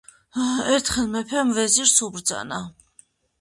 ერთხელ მეფემ ვეზირს უბრძანა